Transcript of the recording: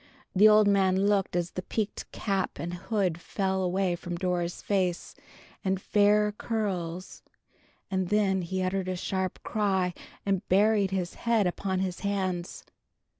The old man looked as the peaked cap and hood fell away from Dora's face and fair curls, and then he uttered a sharp cry, and buried his head upon his hands.